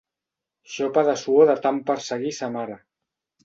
Xopa de suor de tant perseguir sa mare.